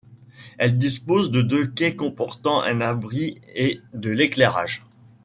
Elle dispose de deux quais comportant un abri et de l'éclairage.